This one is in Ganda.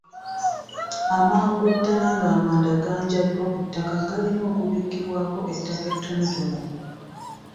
Amangu ddala ng’amanda ganjaddwa ku ttaka, galina okubikkibwako ettaka ettonotono.